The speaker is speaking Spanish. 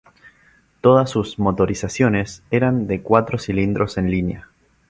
Todas sus motorizaciones eran de cuatro cilindros en línea.